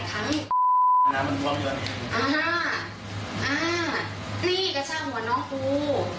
นี่อาชาหัวน้องกู